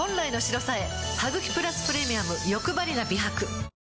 「ハグキプラスプレミアムよくばりな美白」